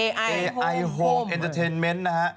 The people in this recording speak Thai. พี่ชอบแซงไหลทางอะเนาะ